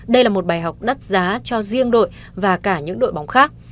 đây là một bài học đắt giá cho riêng đội và cả những đội bóng khác